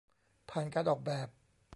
ผ่านการออกแบบ